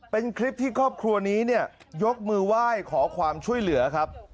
เป็นคลิปที่ครอบครัวนี้เนี่ยยกมือไหว้ขอความช่วยเหลือครับ